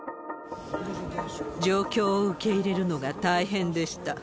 状況を受け入れるのが大変でした。